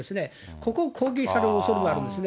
ここを攻撃されるおそれもあるんですね。